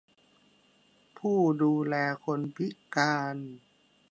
ผู้ดูแลคนพิการ